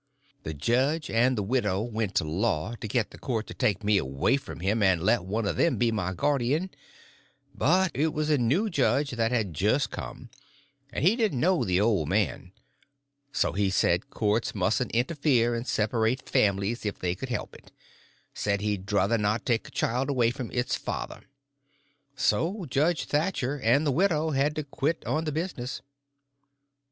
The judge and the widow went to law to get the court to take me away from him and let one of them be my guardian; but it was a new judge that had just come, and he didn't know the old man; so he said courts mustn't interfere and separate families if they could help it; said he'd druther not take a child away from its father. So Judge Thatcher and the widow had to quit on the business.